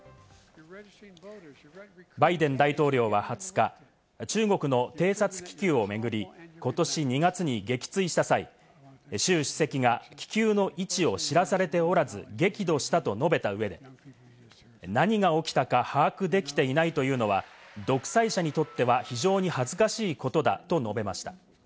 バイデン大統領は２０日、中国の偵察気球を巡り、ことし２月に撃墜した際、シュウ主席が気球の位置を知らされておらず、激怒したと述べた上で、何が起きたか把握できていないというのは、独裁者にとっては非常に恥ずかしいことだと述べました。